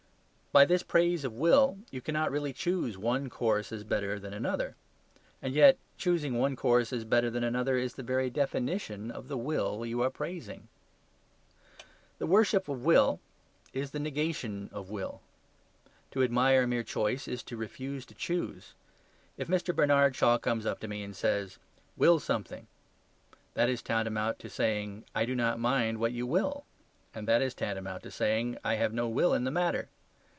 By this praise of will you cannot really choose one course as better than another. And yet choosing one course as better than another is the very definition of the will you are praising. The worship of will is the negation of will. To admire mere choice is to refuse to choose. If Mr. Bernard Shaw comes up to me and says, "Will something," that is tantamount to saying, "I do not mind what you will," and that is tantamount to saying, "I have no will in the matter."